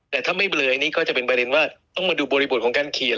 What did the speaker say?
แต่ถ้าไม่เบลอยนี่ก็จะเป็นประเด็นว่าต้องมาดูบริบทของการเขียน